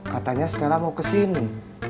katanya setelah mau kesini